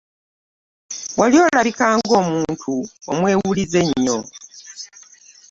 Wali olabika nga omuntu omwewulize ennyo.